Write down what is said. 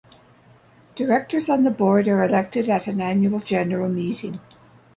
Directors on the Board are elected at an Annual General Meeting.